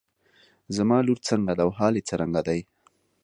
زما لور څنګه ده او حال يې څرنګه دی.